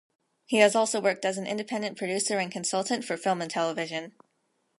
He has also worked as an independent producer and consultant for film and television.